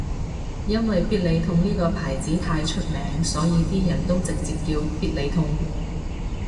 因為必理痛呢個牌子太出名所以啲人都直接叫必理痛